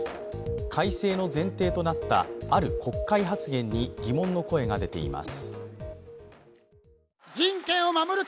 改正の前提となったある国会発言に疑問の声が出ています。